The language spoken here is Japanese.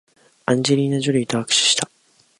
アンジェリーナジョリーと握手した